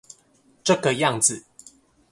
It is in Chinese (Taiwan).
這個樣子